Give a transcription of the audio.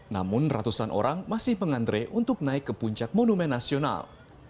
namun ratusan orang masih pengantre untuk naik ke puncak monumen nasional